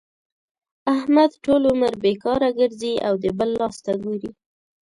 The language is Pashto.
احمد ټول عمر بېکاره ګرځي او د بل لاس ته ګوري.